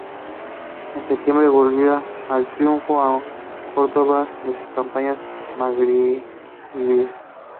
En septiembre, volvió en triunfo a Córdoba de sus campañas magrebíes.